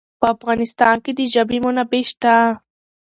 په افغانستان کې د ژبې منابع شته.